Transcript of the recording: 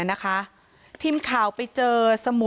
เป็นมีดปลายแหลมยาวประมาณ๑ฟุตนะฮะที่ใช้ก่อเหตุ